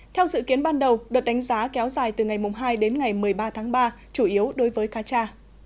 theo dự kiến ban đầu đợt đánh giá kéo dài từ ngày hai đến ngày một mươi ba tháng ba chủ yếu đối với cá tra